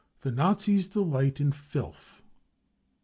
The Nazis delight in Filth.